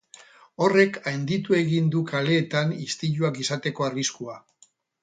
Horrek handitu egin du kaleetan istiluak izateko arriskua.